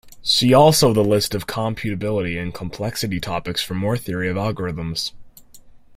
See also the list of computability and complexity topics for more theory of algorithms.